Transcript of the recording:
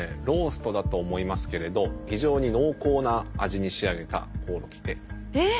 ローストだと思いますけれど非常に濃厚な味に仕上げたコオロギで。